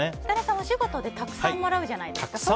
設楽さん、お仕事でたくさんもらうじゃないですか？